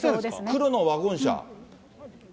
黒のワゴン車。